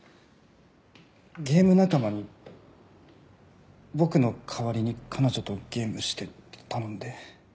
ゲーム仲間に僕の代わりに彼女とゲームしてって頼んで。